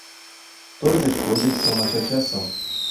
Todas as coisas são uma chateação.